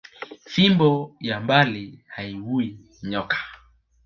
Fimbo ya mbali hayiuwi nyoka